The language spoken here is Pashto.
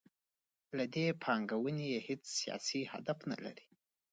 له دې پانګونې یې هیڅ سیاسي هدف نلري.